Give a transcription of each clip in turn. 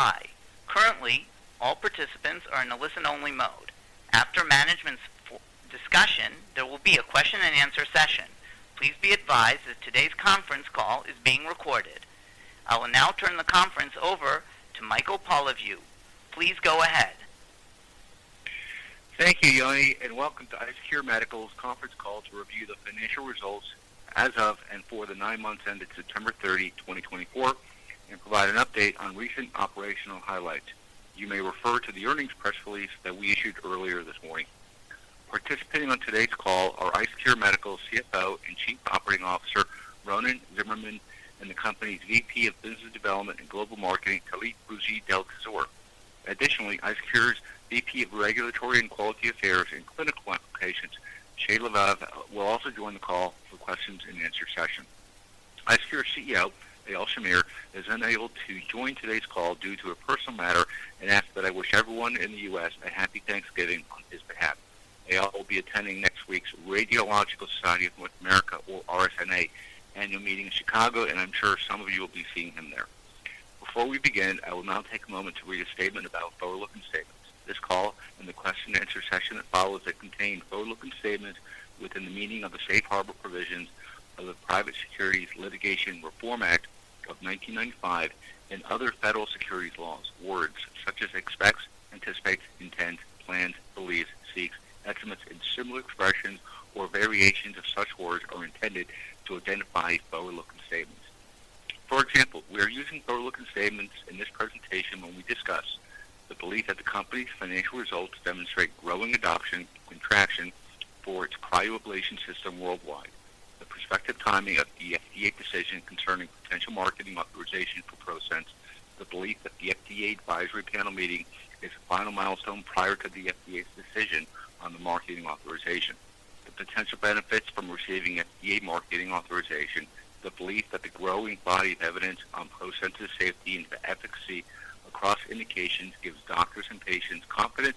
Good morning, and thank you for standing by. Currently, all participants are in a listen-only mode. After management's discussion, there will be a question-and-answer session. Please be advised that today's conference call is being recorded. I will now turn the conference over to Michael Polyviou. Please go ahead. Thank you, Yoni, and welcome to IceCure Medical's Conference Call to review the financial results as of and for the nine months ended September 30, 2024, and provide an update on recent operational highlights. You may refer to the earnings press release that we issued earlier this morning. Participating on today's call are IceCure Medical's CFO and Chief Operating Officer, Ronen Tsimerman, and the company's VP of Business Development and Global Marketing, Tlalit Bussi Tel-Tzure. Additionally, IceCure's VP of Regulatory and Quality Affairs and Clinical Applications, Shay Levav, will also join the call for question-and-answer session. IceCure CEO, Eyal Shamir, is unable to join today's call due to a personal matter and asks that I wish everyone in the U.S. a happy Thanksgiving on his behalf. Eyal will be attending next week's Radiological Society of North America, or RSNA, annual meeting in Chicago, and I'm sure some of you will be seeing him there. Before we begin, I will now take a moment to read a statement about forward-looking statements. This call and the question-and-answer session that follows that contain forward-looking statements within the meaning of the safe harbor provisions of the Private Securities Litigation Reform Act of 1995 and other federal securities laws. Words such as expects, anticipates, intends, plans, believes, seeks, estimates, and similar expressions or variations of such words are intended to identify forward-looking statements. For example, we are using forward-looking statements in this presentation when we discuss the belief that the company's financial results demonstrate growing adoption and traction for its cryoablation system worldwide, the prospective timing of the FDA decision concerning potential marketing authorization for ProSense, the belief that the FDA advisory panel meeting is the final milestone prior to the FDA's decision on the marketing authorization. The potential benefits from receiving FDA marketing authorization, the belief that the growing body of evidence on ProSense's safety and efficacy across indications gives doctors and patients confidence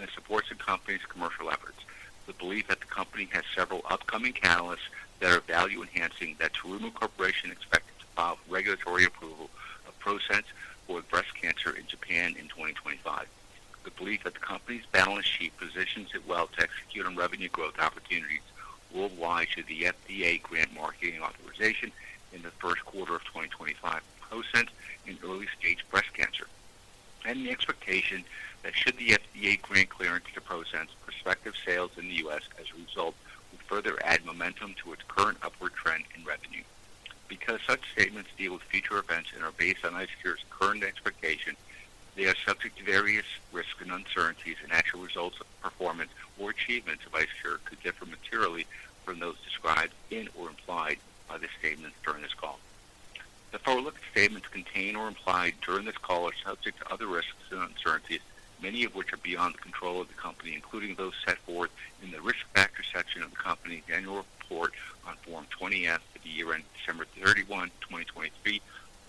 and supports the company's commercial efforts, the belief that the company has several upcoming catalysts that are value-enhancing, that Terumo Corporation expected to file regulatory approval of ProSense for breast cancer in Japan in 2025, the belief that the company's balance sheet positions it well to execute on revenue growth opportunities worldwide should the FDA grant marketing authorization in the first quarter of 2025 for ProSense in early-stage breast cancer, and the expectation that should the FDA grant clearance to ProSense, prospective sales in the U.S. As a result will further add momentum to its current upward trend in revenue. Because such statements deal with future events and are based on IceCure's current expectations, they are subject to various risks and uncertainties, and actual results of performance or achievements of IceCure could differ materially from those described in or implied by the statements during this call. The forward-looking statements contained or implied during this call are subject to other risks and uncertainties, many of which are beyond the control of the company, including those set forth in the risk factor section of the company's annual report on Form 20-F for the year ended December 31, 2023,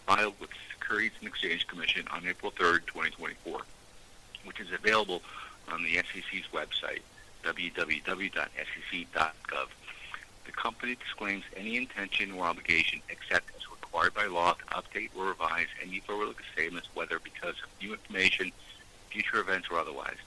filed with the Securities and Exchange Commission on April 3rd, 2024, which is available on the SEC's website, www.sec.gov. The company disclaims any intention or obligation except as required by law to update or revise any forward-looking statements, whether because of new information, future events, or otherwise.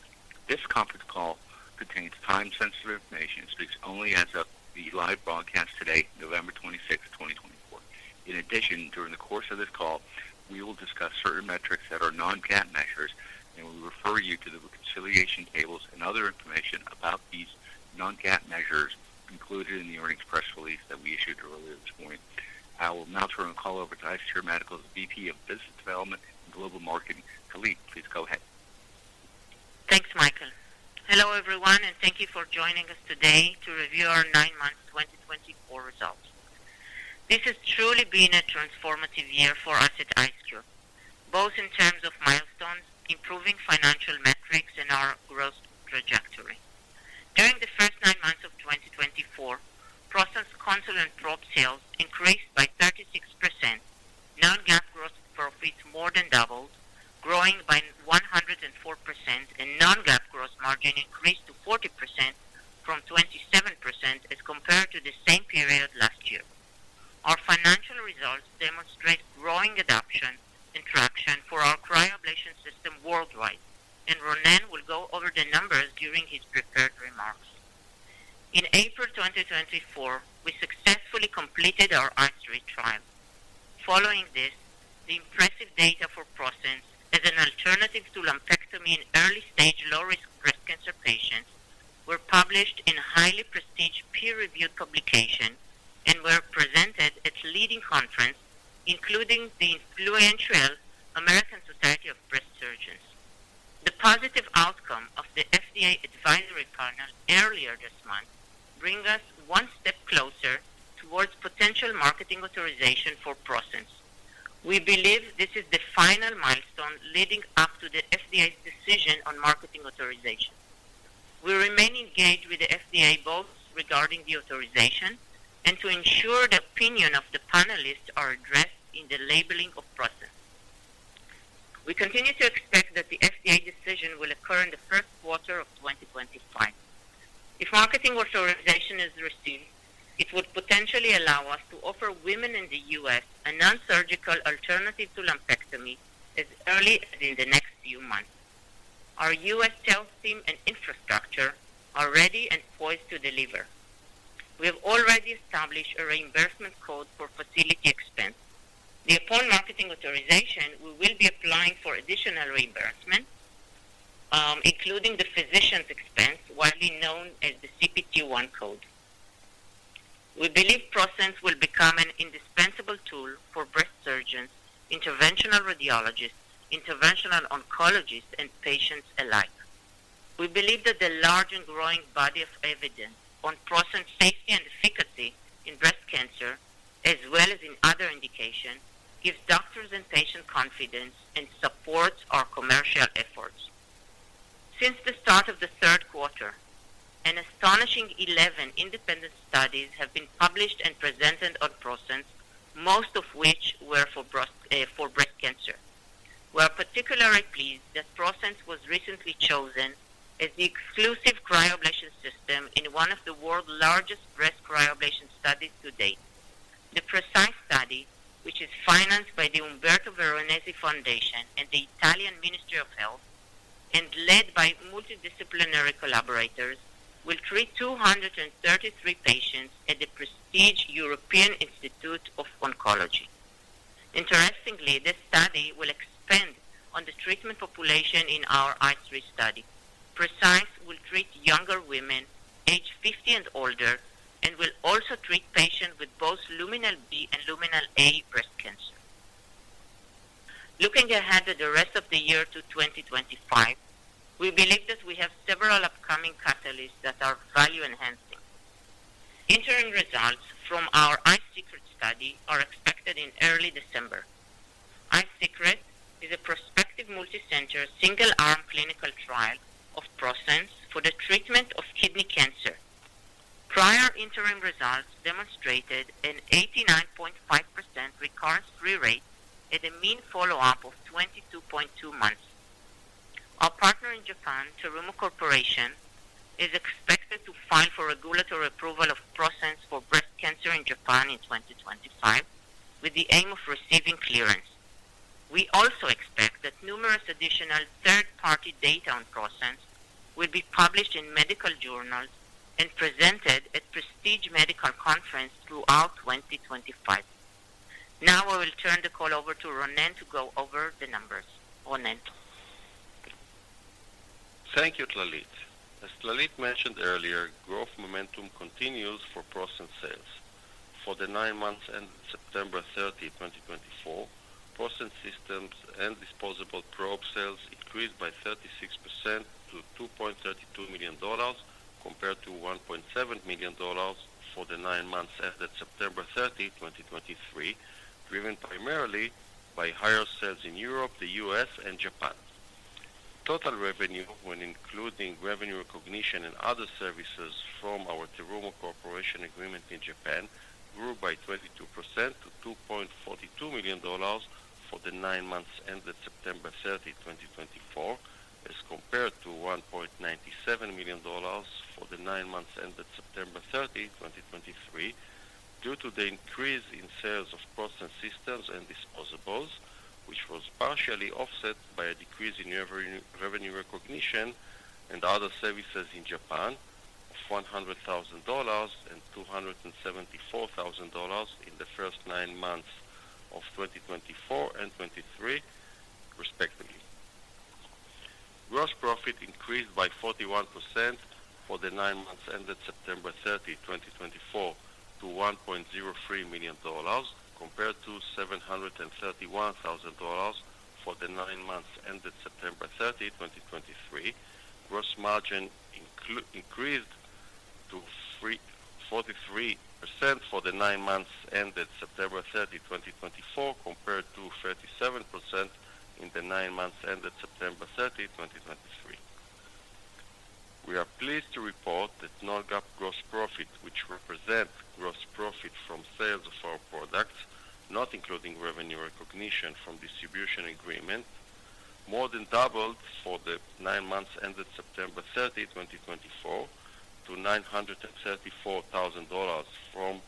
This conference call contains time-sensitive information and speaks only as of the live broadcast today, November 26th, 2024. In addition, during the course of this call, we will discuss certain metrics that are non-GAAP measures, and we will refer you to the reconciliation tables and other information about these non-GAAP measures included in the earnings press release that we issued earlier this morning. I will now turn the call over to IceCure Medical's VP of Business Development and Global Marketing, Tlalit. Please go ahead. Thanks, Michael. Hello, everyone, and thank you for joining us today to review our nine months' 2024 results. This has truly been a transformative year for us at IceCure, both in terms of milestones, improving financial metrics, and our growth trajectory. During the first nine months of 2024, ProSense's consolidated probe sales increased by 36%, non-GAAP gross profits more than doubled, growing by 104%, and non-GAAP gross margin increased to 40% from 27% as compared to the same period last year. Our financial results demonstrate growing adoption and traction for our cryoablation system worldwide, and Ronen will go over the numbers during his prepared remarks. In April 2024, we successfully completed our ICE3 trial. Following this, the impressive data for ProSense as an alternative to lumpectomy in early-stage low-risk breast cancer patients were published in a highly prestigious peer-reviewed publication and were presented at a leading conference, including the influential American Society of Breast Surgeons. The positive outcome of the FDA advisory panel earlier this month brings us one step closer towards potential marketing authorization for ProSense. We believe this is the final milestone leading up to the FDA's decision on marketing authorization. We remain engaged with the FDA both regarding the authorization and to ensure the opinion of the panelists is addressed in the labeling of ProSense. We continue to expect that the FDA decision will occur in the first quarter of 2025. If marketing authorization is received, it would potentially allow us to offer women in the U.S. a non-surgical alternative to lumpectomy as early as in the next few months. Our U.S. sales team and infrastructure are ready and poised to deliver. We have already established a reimbursement code for facility expense. Then, upon marketing authorization, we will be applying for additional reimbursement, including the physician's expense, widely known as the CPT I code. We believe ProSense will become an indispensable tool for breast surgeons, interventional radiologists, interventional oncologists, and patients alike. We believe that the large and growing body of evidence on ProSense safety and efficacy in breast cancer, as well as in other indications, gives doctors and patients confidence and supports our commercial efforts. Since the start of the third quarter, an astonishing 11 independent studies have been published and presented on ProSense, most of which were for breast cancer. We are particularly pleased that ProSense was recently chosen as the exclusive Cryoablation System in one of the world's largest breast cryoablation studies to date. The PRECICE study, which is financed by the Umberto Veronesi Foundation and the Italian Ministry of Health and led by multidisciplinary collaborators, will treat 233 patients at the prestigious European Institute of Oncology. Interestingly, this study will expand on the treatment population in our ICE3 study. PRECISE will treat younger women aged 50 and older and will also treat patients with both Luminal B and Luminal A breast cancer. Looking ahead to the rest of the year to 2025, we believe that we have several upcoming catalysts that are value-enhancing. Interim results from our ICESECRET study are expected in early December. ICESECRET is a prospective multicenter single-arm clinical trial of ProSense for the treatment of kidney cancer. Prior interim results demonstrated an 89.5% recurrence-free rate at a mean follow-up of 22.2 months. Our partner in Japan, Terumo Corporation, is expected to file for regulatory approval of ProSense for breast cancer in Japan in 2025, with the aim of receiving clearance. We also expect that numerous additional third-party data on ProSense will be published in medical journals and presented at prestigious medical conferences throughout 2025. Now, I will turn the call over to Ronen to go over the numbers. Ronen. Thank you, Tlalit. As Tlalit mentioned earlier, growth momentum continues for ProSense sales. For the nine months ended September 30, 2024, ProSense systems and disposable probe sales increased by 36% to $2.32 million compared to $1.7 million for the nine months ended September 30, 2023, driven primarily by higher sales in Europe, the U.S., and Japan. Total revenue, when including revenue recognition and other services from our Terumo Corporation agreement in Japan, grew by 22% to $2.42 million for the nine months ended September 30, 2024, as compared to $1.97 million for the nine months ended September 30, 2023, due to the increase in sales of ProSense systems and disposables, which was partially offset by a decrease in revenue recognition and other services in Japan of $100,000 and $274,000 in the first nine months of 2024 and 2023, respectively. Gross profit increased by 41% for the nine months ended September 30, 2024, to $1.03 million compared to $731,000 for the nine months ended September 30, 2023. Gross margin increased to 43% for the nine months ended September 30, 2024, compared to 37% in the nine months ended September 30, 2023. We are pleased to report that Non-GAAP gross profit, which represents gross profit from sales of our products, not including revenue recognition from distribution agreement, more than doubled for the nine months ended September 30, 2024, to $934,000 from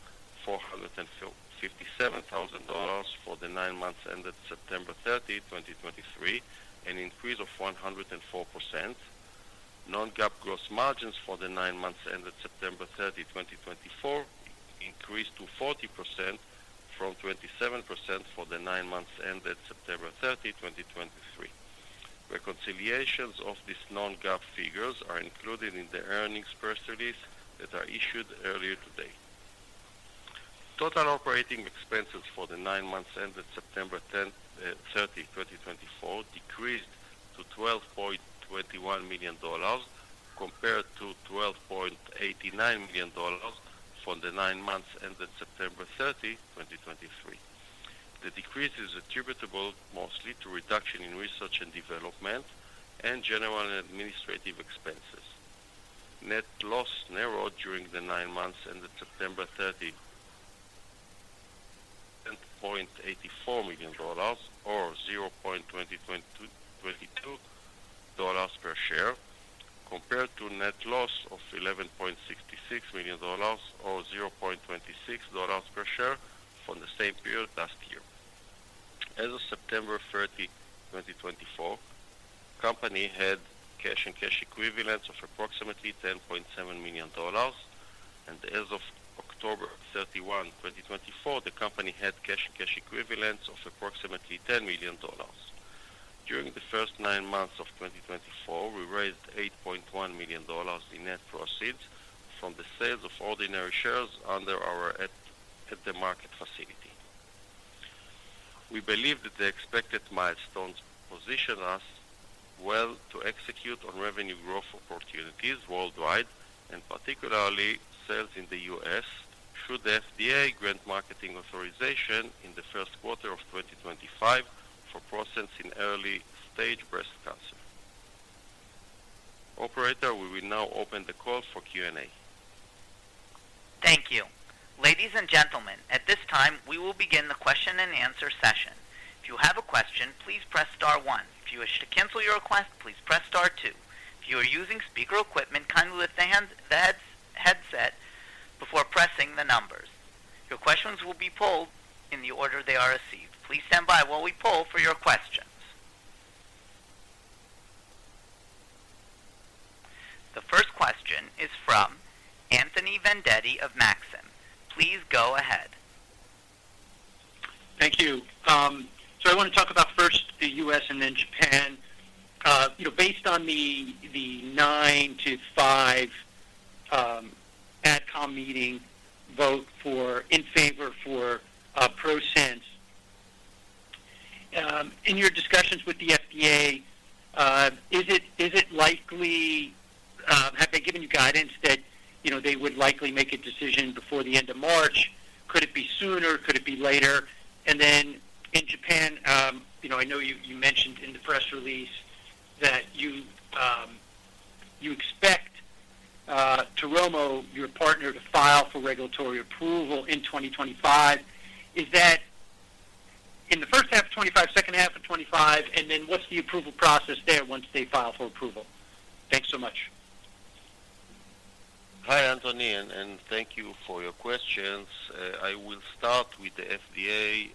$457,000 for the nine months ended September 30, 2023, an increase of 104%. Non-GAAP gross margins for the nine months ended September 30, 2024, increased to 40% from 27% for the nine months ended September 30, 2023. Reconciliations of these Non-GAAP figures are included in the earnings press release that I issued earlier today. Total operating expenses for the nine months ended September 30, 2024, decreased to $12.21 million compared to $12.89 million for the nine months ended September 30, 2023. The decrease is attributable mostly to a reduction in research and development and general administrative expenses. Net loss narrowed during the nine months ended September 30 to $10.84 million or $0.2022 per share compared to a net loss of $11.66 million or $0.26 per share for the same period last year. As of September 30, 2024, the company had cash and cash equivalents of approximately $10.7 million, and as of October 31, 2024, the company had cash and cash equivalents of approximately $10 million. During the first nine months of 2024, we raised $8.1 million in net proceeds from the sales of ordinary shares under our at-the-market facility. We believe that the expected milestones position us well to execute on revenue growth opportunities worldwide, and particularly sales in the U.S., should the FDA grant marketing authorization in the first quarter of 2025 for ProSense in early-stage breast cancer. Operator, we will now open the call for Q&A. Thank you. Ladies and gentlemen, at this time, we will begin the question-and-answer session. If you have a question, please press star one. If you wish to cancel your request, please press star two. If you are using speaker equipment, kindly lift the headset before pressing the numbers. Your questions will be polled in the order they are received. Please stand by while we poll for your questions. The first question is from Anthony Vendetti of Maxim. Please go ahead. Thank you. So I want to talk about first the U.S. and then Japan. Based on the 9-5 AdCom meeting vote in favor for ProSense, in your discussions with the FDA, is it likely have they given you guidance that they would likely make a decision before the end of March? Could it be sooner? Could it be later? And then in Japan, I know you mentioned in the press release that you expect Terumo, your partner, to file for regulatory approval in 2025. Is that in the first half of 2025, second half of 2025? And then what's the approval process there once they file for approval? Thanks so much. Hi, Anthony, and thank you for your questions. I will start with the FDA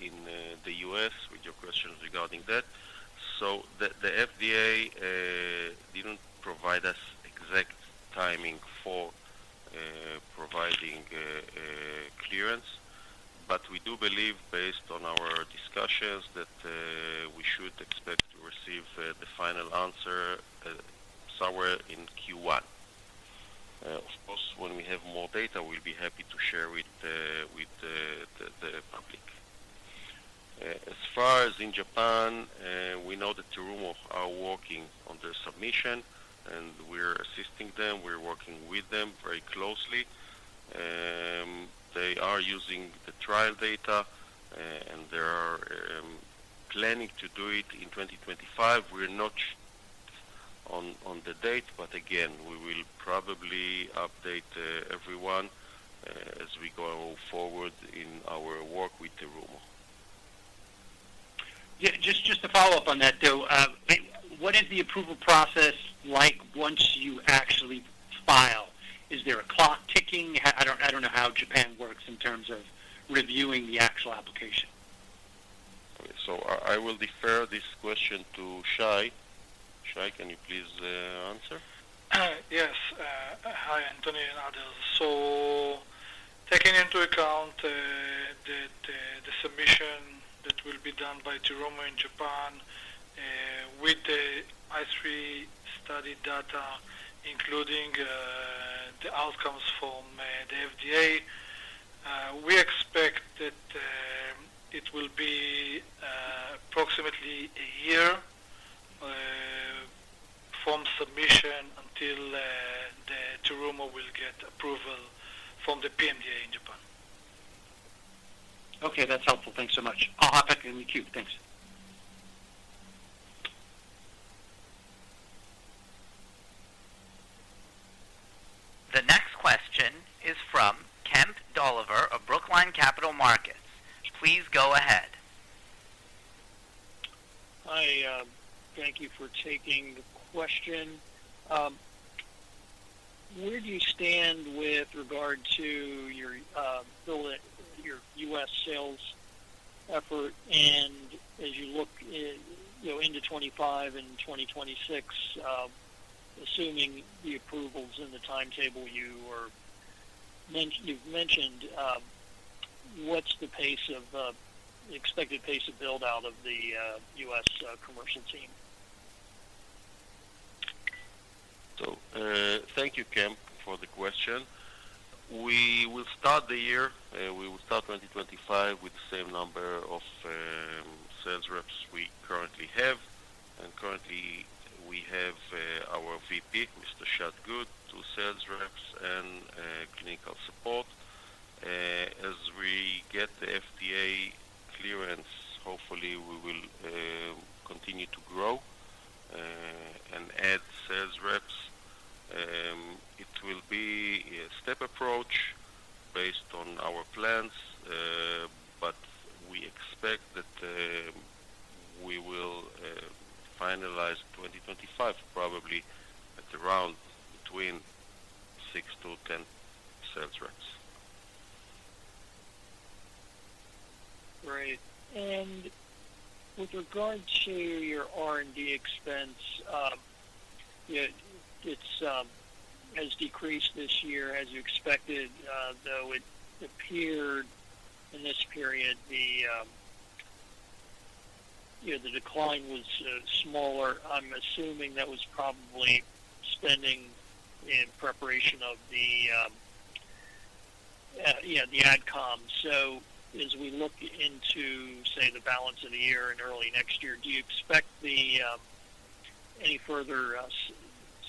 in the U.S. with your questions regarding that. So the FDA didn't provide us exact timing for providing clearance, but we do believe, based on our discussions, that we should expect to receive the final answer somewhere in Q1. Of course, when we have more data, we'll be happy to share it with the public. As far as in Japan, we know that Terumo are working on their submission, and we're assisting them. We're working with them very closely. They are using the trial data, and they are planning to do it in 2025. We're not on the date, but again, we will probably update everyone as we go forward in our work with Terumo. Just to follow up on that, though, what is the approval process like once you actually file? Is there a clock ticking? I don't know how Japan works in terms of reviewing the actual application. So I will defer this question to Shay. Shay, can you please answer? Yes. Hi, Anthony. Ronen. So taking into account the submission that will be done by Terumo in Japan with the ICE3 study data, including the outcomes from the FDA, we expect that it will be approximately a year from submission until Terumo will get approval from the PMDA in Japan. Okay. That's helpful. Thanks so much. I'll hop back in the queue. Thanks. The next question is from Kemp Dolliver of Brookline Capital Markets. Please go ahead. Hi. Thank you for taking the question. Where do you stand with regard to your U.S. sales effort? And as you look into 2025 and 2026, assuming the approvals and the timetable you've mentioned, what's the expected pace of build-out of the U.S. commercial team? Thank you, Kent, for the question. We will start the year 2025 with the same number of sales reps we currently have. Currently, we have our VP, Mr. Shad Good, two sales reps and clinical support. As we get the FDA clearance, hopefully, we will continue to grow and add sales reps. It will be a step approach based on our plans, but we expect that we will finalize 2025 probably at around between six to 10 sales reps. Right. And with regard to your R&D expense, it has decreased this year, as you expected, though it appeared in this period the decline was smaller. I'm assuming that was probably spending in preparation of the AdCom. So as we look into, say, the balance of the year and early next year, do you expect any further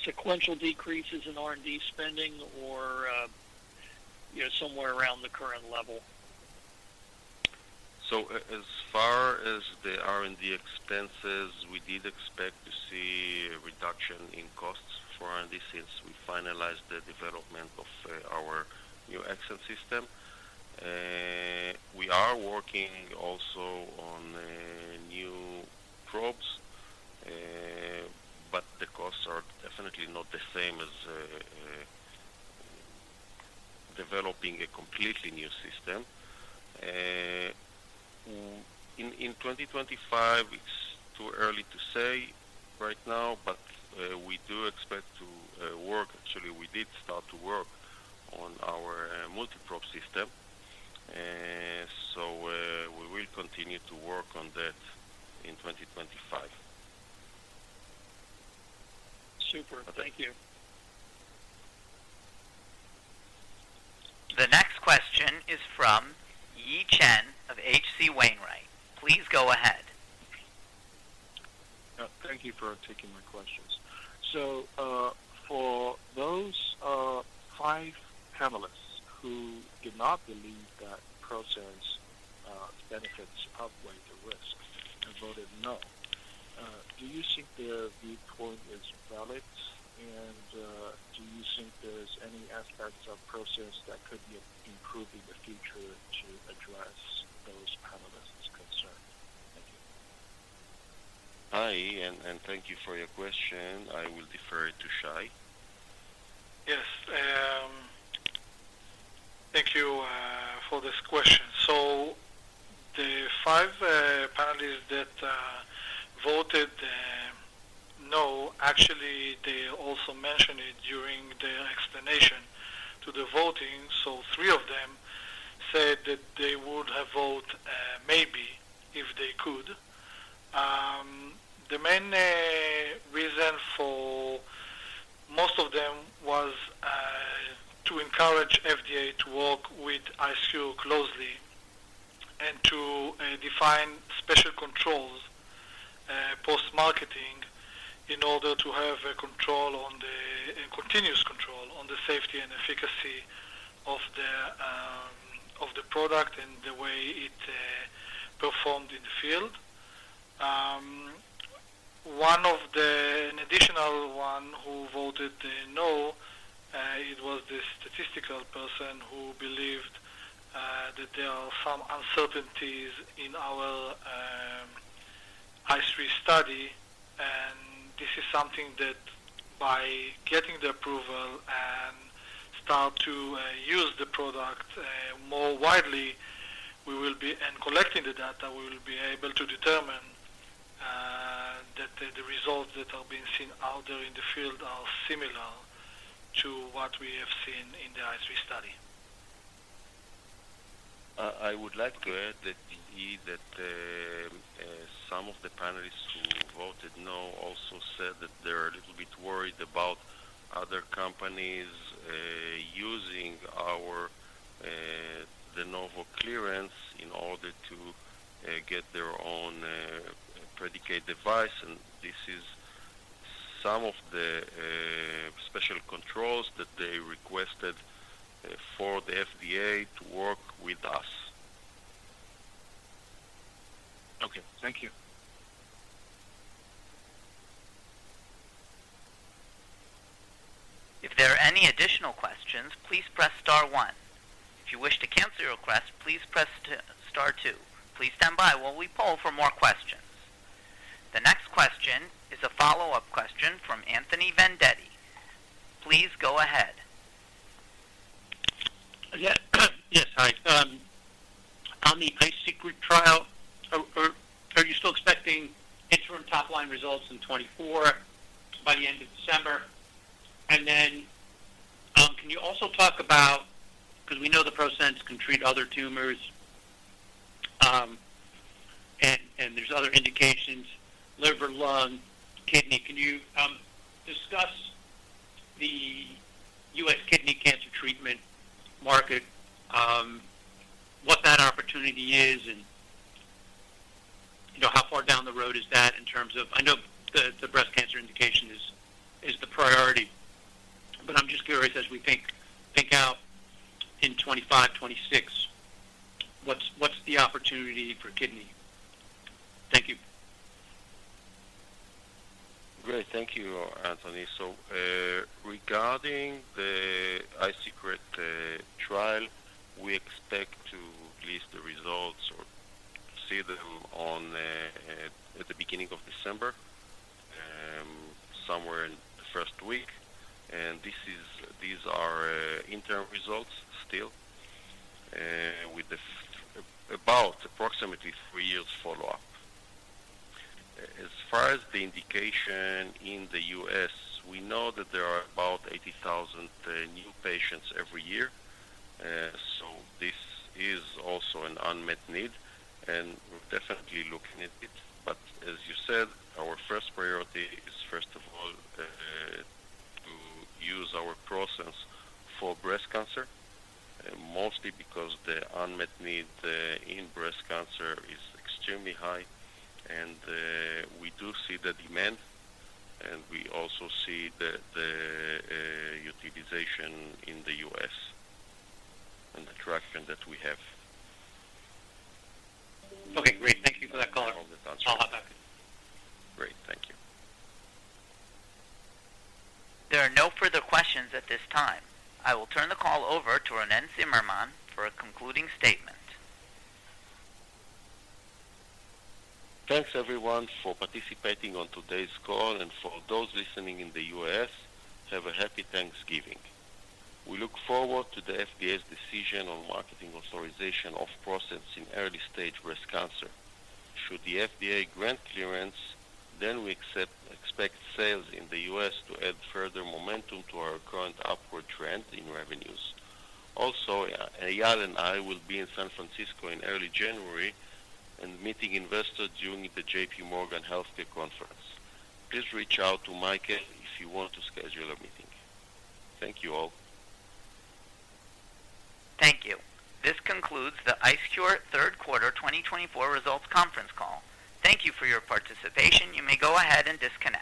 sequential decreases in R&D spending or somewhere around the current level? So as far as the R&D expenses, we did expect to see a reduction in costs for R&D since we finalized the development of our new ProSense system. We are working also on new probes, but the costs are definitely not the same as developing a completely new system. In 2025, it's too early to say right now, but we do expect to work. Actually, we did start to work on our multi-probe system. So we will continue to work on that in 2025. Super. Thank you. The next question is from Yi Chen of H.C. Wainwright. Please go ahead. Thank you for taking my questions. So for those five panelists who did not believe that ProSense benefits outweigh the risk and voted no, do you think their viewpoint is valid? And do you think there's any aspects of ProSense that could be improved in the future to address those panelists' concerns? Thank you. Hi. Thank you for your question. I will defer to Shay. Yes. Thank you for this question. So the five panelists that voted no, actually, they also mentioned it during their explanation to the voting. So three of them said that they would have voted maybe if they could. The main reason for most of them was to encourage FDA to work with IceCure closely and to define special controls post-marketing in order to have a continuous control on the safety and efficacy of the product and the way it performed in the field. One of the additional ones who voted no, it was the statistical person who believed that there are some uncertainties in our ICE3 study. This is something that by getting the approval and starting to use the product more widely and collecting the data, we will be able to determine that the results that are being seen out there in the field are similar to what we have seen in the ICE3 study. I would like to add that some of the panelists who voted no also said that they're a little bit worried about other companies using the De Novo clearance in order to get their own predicate device, and this is some of the special controls that they requested for the FDA to work with us. Okay. Thank you. If there are any additional questions, please press star one. If you wish to cancel your request, please press star two. Please stand by while we poll for more questions. The next question is a follow-up question from Anthony Vendetti. Please go ahead. Yes. Hi. On the ICE3 trial, are you still expecting interim top-line results in 2024 by the end of December? And then can you also talk about because we know that ProSense can treat other tumors and there's other indications: liver, lung, kidney? Can you discuss the U.S. kidney cancer treatment market, what that opportunity is, and how far down the road is that in terms of I know the breast cancer indication is the priority. But I'm just curious, as we think out in 2025, 2026, what's the opportunity for kidney? Thank you. Great. Thank you, Anthony. So regarding the ICE3 trial, we expect to release the results or see them at the beginning of December, somewhere in the first week. And these are interim results still with about approximately three years' follow-up. As far as the indication in the U.S., we know that there are about 80,000 new patients every year. So this is also an unmet need, and we're definitely looking at it. But as you said, our first priority is, first of all, to use our ProSense for breast cancer, mostly because the unmet need in breast cancer is extremely high. And we do see the demand, and we also see the utilization in the U.S. and the traction that we have. Okay. Great. Thank you for that call. All the answers. I'll hop back. Great. Thank you. There are no further questions at this time. I will turn the call over to Ronen Tsimerman for a concluding statement. Thanks, everyone, for participating on today's call, and for those listening in the U.S., have a happy Thanksgiving. We look forward to the FDA's decision on marketing authorization of ProSense in early-stage breast cancer. Should the FDA grant clearance, then we expect sales in the U.S. to add further momentum to our current upward trend in revenues. Also, Eyal and I will be in San Francisco in early January and meeting investors during the J.P. Morgan Healthcare Conference. Please reach out to Michael if you want to schedule a meeting. Thank you all. Thank you. This concludes the IceCure third quarter 2024 results conference call. Thank you for your participation. You may go ahead and disconnect.